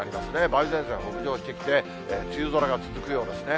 梅雨前線が北上してきて、梅雨空が続くようですね。